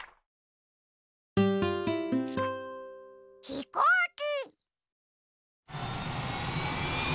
ひこうき。